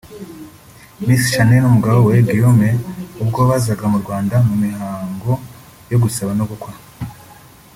Miss Shanel n'umugabo we Guillaume ubwo bazaga mu Rwanda mu mihango yo gusaba no gukwa